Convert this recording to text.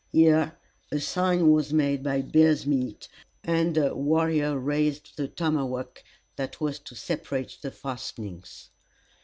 Here a sign was made by Bear's Meat, and a warrior raised the tomahawk that was to separate the fastenings.